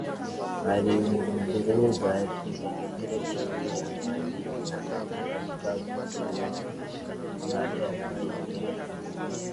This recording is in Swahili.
alimburuza Kinjeketile chini ya maji na aliibuka baada ya saa ishirini na nne